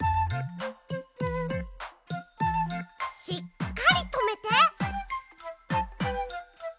しっかりとめて！